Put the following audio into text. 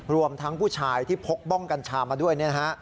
รวมทั้งผู้ชายที่พกบ้องกัญชามาด้วย